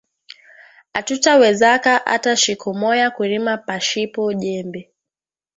Atuta wezaka ata shiku moya kurima pashipo jembe